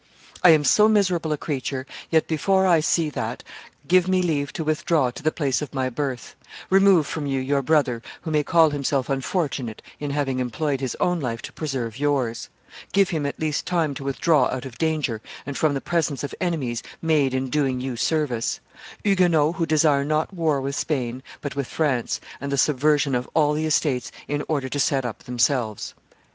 If I am so miserable a creature, yet before I see that, give me leave to withdraw to the place of my birth; remove from you your brother, who may call himself unfortunate in having employed his own life to preserve yours; give him at least time to withdraw out of danger and from the presence of enemies made in doing you service; Huguenots who desire not war with Spain, but with France, and the subversion of all the Estates in order to set up themselves."